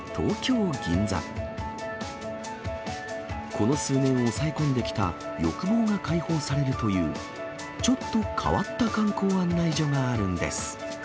この数年、抑え込んできた欲望が解放されるという、ちょっと変わった観光案内所があるんです。